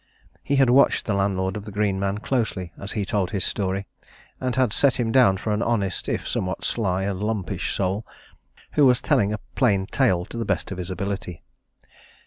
He had watched the landlord of the Green Man closely as he told his story, and had set him down for an honest, if somewhat sly and lumpish soul, who was telling a plain tale to the best of his ability.